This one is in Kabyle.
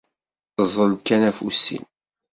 Ẓẓel kan afus-im!